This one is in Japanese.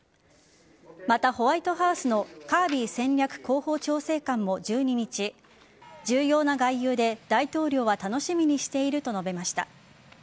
また、ホワイトハウスのカービー戦略広報調整官も１２日重要な外遊で大統領は楽しみにしていると述べました。